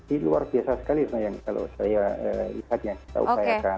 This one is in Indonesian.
ini luar biasa sekali kalau saya lihat yang kita upayakan